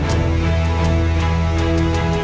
kurang ajar kau guru